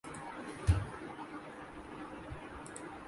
میں اب اپنے صحافتی کیریئر کا دوبارہ آغاز کرونگی